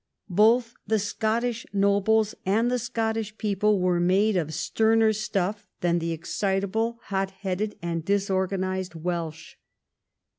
Both the Scottish nobles and the Scottish people were made of sterner stuff than the excitable, hot headed, and disorganised Welsh.